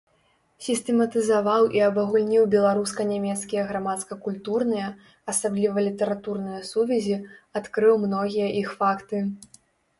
Сістэматызаваў і абагульніў беларуска-нямецкія грамадска-культурныя, асабліва літаратурныя сувязі, адкрыў многія іх факты.